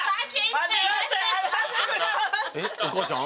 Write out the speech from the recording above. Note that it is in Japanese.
「えっお母ちゃん？」